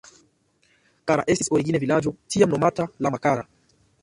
Kara estis origine vilaĝo, tiam nomata Lama-Kara.